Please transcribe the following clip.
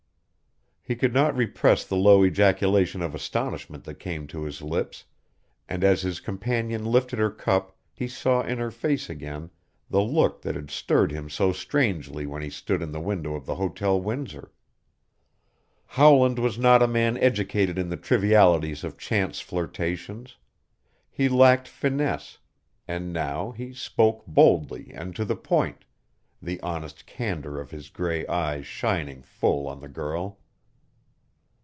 He could not repress the low ejaculation of astonishment that came to his lips, and as his companion lifted her cup he saw in her face again the look that had stirred him so strangely when he stood in the window of the Hotel Windsor. Howland was not a man educated in the trivialities of chance flirtations. He lacked finesse, and now he spoke boldly and to the point, the honest candor of his gray eyes shining full on the girl.